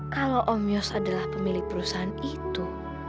kalau om yos adalah pemilik perusahaan itu